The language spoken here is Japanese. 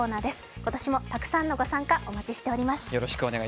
今年もたくさんのご参加、お待ちしております。